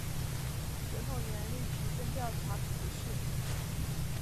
随后严厉取证调查此事。